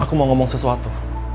aku mau ngomong sesuatu